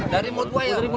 dari mulut buaya